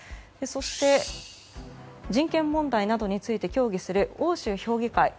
そして人権問題などについて協議する欧州評議会